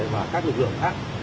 và các lực lượng khác